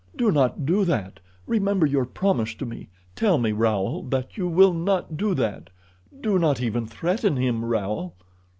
"Do not do that. Remember your promise to me. Tell me, Raoul, that you will not do that. Do not even threaten him, Raoul."